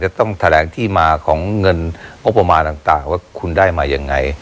ต้องแถลงที่มาของเงินงบประมาณต่างว่าคุณได้มายังไง